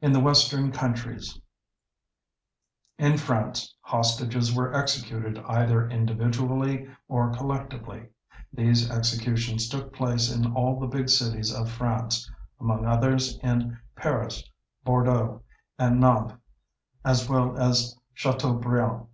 In the Western Countries: In France hostages were executed either individually or collectively; these executions took place in all the big cities of France, among others in Paris, Bordeaux, and Nantes, as well as at Châteaubriant.